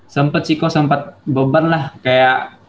sempet sih ko sempet beban lah kayak